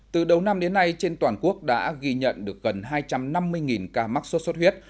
từ đầu năm đến nay trên toàn quốc đã ghi nhận được gần hai trăm năm mươi ca mắc sốt xuất huyết